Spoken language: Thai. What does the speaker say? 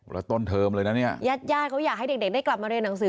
แล้วต้นเทอมเลยนะเนี่ยญาติญาติเขาอยากให้เด็กได้กลับมาเรียนหนังสือ